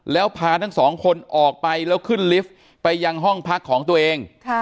แล้วพาทั้งสองคนออกไปแล้วขึ้นลิฟต์ไปยังห้องพักของตัวเอง